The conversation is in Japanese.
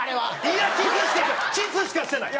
いやキスしかしてない！